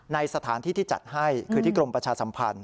ในสถานที่ที่จัดให้คือที่กรมประชาสัมพันธ์